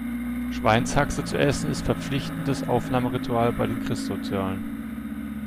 Schweinshaxe zu essen, ist verpflichtendes Aufnahmeritual bei den Christsozialen.